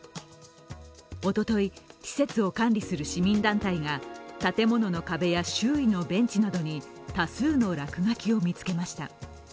おととい、施設を管理する市民団体が建物の壁や周囲のベンチなどに多数の落書きを見つけました。